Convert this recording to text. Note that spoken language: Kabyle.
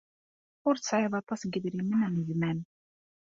Ur tesɛiḍ aṭas n yedrimen am gma-m.